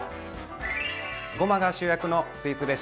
ごまが主役のスイーツレシピ。